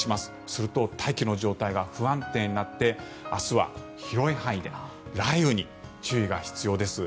すると大気の状態が不安定になって明日は広い範囲で雷雨に注意が必要です。